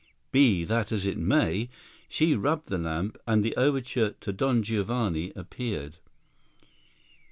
Be that as it may;—she rubbed the lamp, and the overture to "Don Giovanni" appeared.